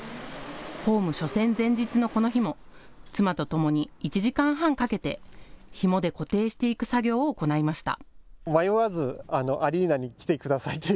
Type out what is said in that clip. ホーム初戦前日のこの日も妻とともに１時間半かけてひもで固定していく作業を行いました。